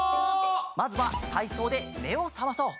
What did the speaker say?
まずはたいそうでめをさまそう！